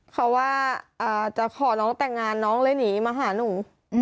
เขาว่าจะขอน้องแต่งงานน้องเลยหนีมาหาหนู